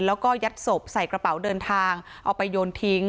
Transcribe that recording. แล้วก็ยัดศพใส่กระเป๋าเดินทางเอาไปโยนทิ้ง